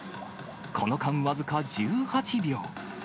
この間、僅か１８秒。